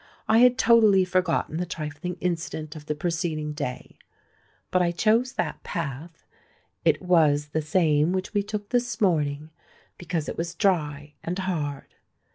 "I had totally forgotten the trifling incident of the preceding day; but I chose that path,—it was the same which we took this morning,—because it was dry and hard.